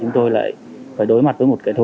chúng tôi phải đối mặt với một kẻ thù